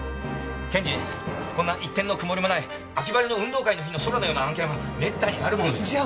検事こんな一点の曇りもない秋晴れの運動会の日の空のような案件は滅多にあるものじゃ。